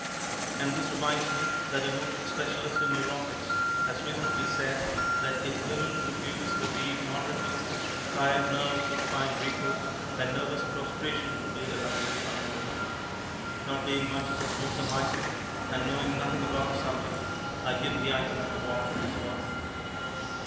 And this reminds me that a noted specialist in neurotics has recently said that if women would use the weed moderately, tired nerves would find repose and nervous prostration would be a luxury unknown. Not being much of a smoker myself, and knowing nothing about the subject, I give the item for what it is worth.